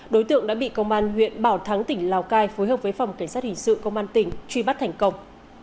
đối tượng đã bị công an huyện bảo thắng tỉnh lào cai phối hợp với phòng cảnh sát hình sự công an tỉnh truy bắt thành công